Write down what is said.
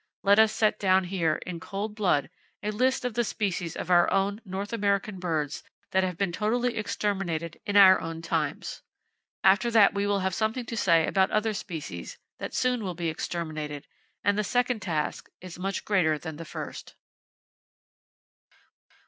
Let us set down here, in cold blood, a list of the species of our own North American birds that have been totally exterminated in our own times. After that we will have something to say about other species that soon will be exterminated; and the second task is much greater than the first.